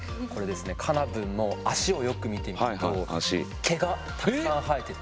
カナブンの脚をよく見てみると毛がたくさん生えてて。